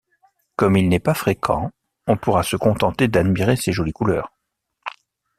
Comme il n'est pas fréquent, on pourra se contenter d'admirer ses jolies couleurs.